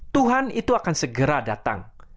tuhan itu akan segera datang